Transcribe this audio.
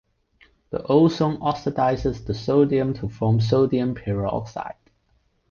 The ozone oxidizes the sodium to form sodium peroxide.